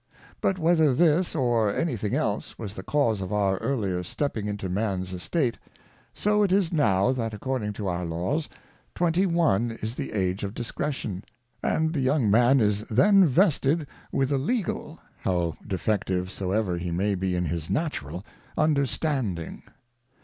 But whether this, or any thing else, was the cause of our earlier stepping into Man's Estate ; so it is now, that according to our Laws, Twenty one is the Age of Discretion ; and the Young Man is then vested with a Legal, how defective soever he may be in his Natural Understanding.